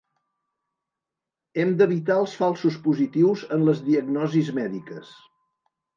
Hem d'evitar els falsos positius en les diagnosis mèdiques.